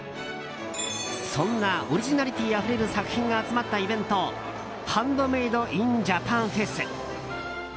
そんなオリジナリティーあふれる作品が集まったイベントハンドメイドインジャパンフェス。